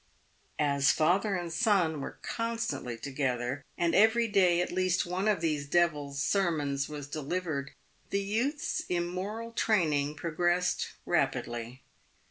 As father and son were constantly together, and every day at least one of these devil's sermons was delivered, the youth's immoral train ing progressed rapidly.